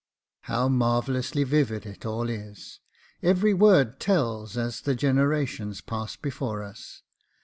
How marvellously vivid it all is! every word tells as the generations pass before us.